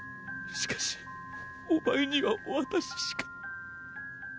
しかしお前には私しか。